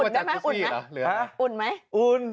หุ่นใช่ไหมหุ่นหรอหาหุ่น